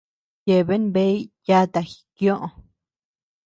Yeabean bea yata jikioʼö.